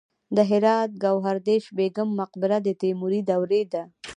د هرات ګوهردش بیګم مقبره د تیموري دورې ده